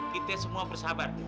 kita semua bersabar deh